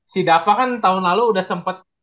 si dapa kan tahun lalu udah sempet